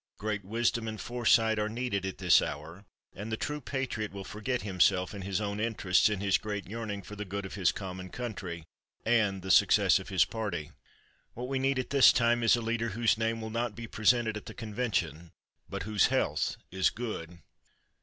Great wisdom and foresight are needed at this hour, and the true patriot will forget himself and his own interests in his great yearning for the good of his common country and the success of his party. What we need at this time is a leader whose name will not be presented at the convention but whose health is good.